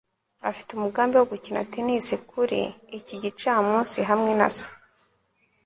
afite umugambi wo gukina tennis kuri iki gicamunsi hamwe na se